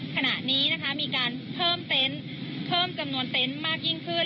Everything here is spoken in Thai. ขณะนี้นะคะมีการเพิ่มเต็นต์เพิ่มจำนวนเต็นต์มากยิ่งขึ้น